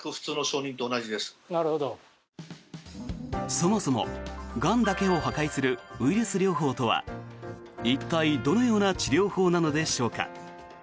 そもそも、がんだけを破壊するウイルス療法とは一体どのような治療法なのでしょうか。